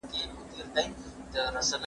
راډیو روښانه ده،